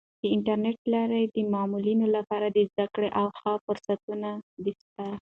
د انټرنیټ له لارې د معلولینو لپاره د زده کړې او ښه فرصتونه سته.